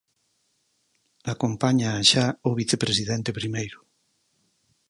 Acompáñaa xa o vicepresidente primeiro.